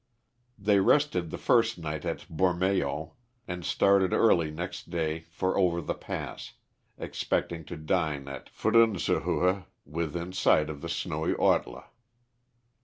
They rested the first night at Bormeo, and started early next day for over the pass, expecting to dine at Franzenshöhe within sight of the snowy Ortler.